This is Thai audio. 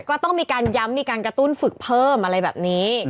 ก็ต้องมีการย้ำมีการกระตุ้นฝึกเพิ่มอะไรแบบนี้